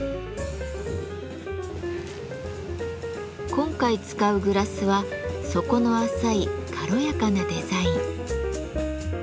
今回使うグラスは底の浅い軽やかなデザイン。